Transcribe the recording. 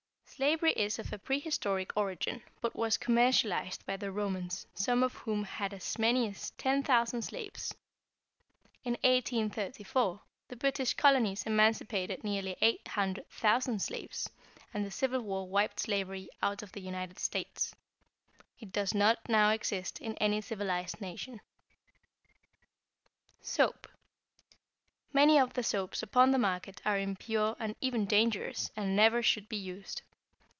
= Slavery is of a prehistoric origin, but was commercialized by the Romans, some of whom had as many as 10,000 slaves. In 1834, the British Colonies emancipated nearly 800,000 slaves, and the Civil War wiped slavery out of the United States. It does not now exist in any civilized nation. =Soap.= Many of the soaps upon the market are impure and even dangerous, and never should be used.